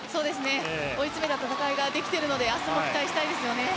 追い詰めた戦いができているので明日も期待したいですね。